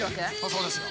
そうですよ。